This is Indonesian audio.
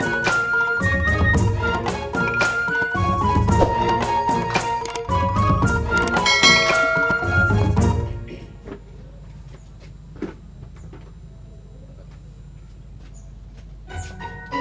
aku merasa bangga